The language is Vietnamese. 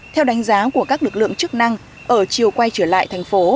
theo đánh giá của các lực lượng chức năng ở chiều quay trở lại thành phố